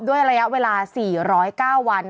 ระยะเวลา๔๐๙วัน